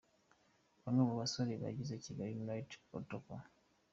Bamwe mu basore bagize Kigali Unity Protocol.